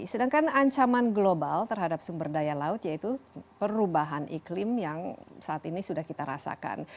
sedangkan ancaman global terhadap sumber daya laut yaitu perubahan iklim yang saat ini sudah kita rasakan